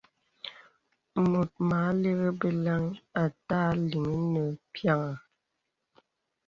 Mùt mà àlìrī beləŋghi à tà àleŋ nə pīaŋha.